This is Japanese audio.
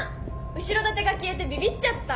後ろ盾が消えてビビっちゃった？